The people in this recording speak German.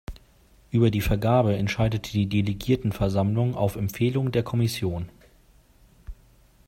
Über die Vergabe entscheidet die Delegiertenversammlung auf Empfehlung der Kommission.